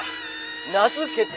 名付けて